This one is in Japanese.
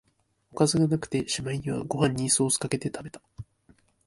おかずがなくて、しまいにはご飯にソースかけて食べた